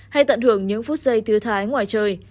hay tận hưởng những phút giây thứ thái ngoài trời